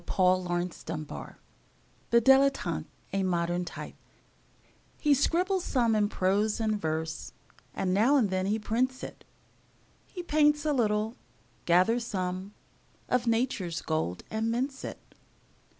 Paul Laurence Dunbar The Dilettante: A Modern Type HE scribbles some in prose and verse, And now and then he prints it; He paints a little, gathers some Of Nature's gold and mints it.